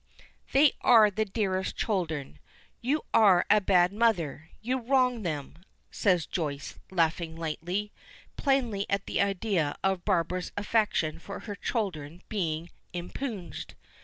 "They are the dearest children. You are a bad mother; you wrong them," says Joyce, laughing lightly, plainly at the idea of Barbara's affection for her children being impugned.